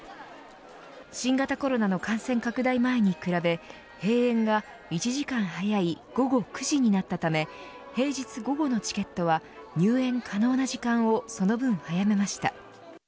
新型コロナの感染拡大前に比べ閉園が１時間早い午後９時になったため平日午後のチケットは入園可能な時間をその分早めました。